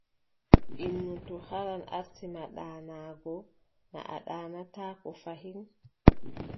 Innu to haran aarti ma ɗaanaago, naa a ɗaanataako fahin.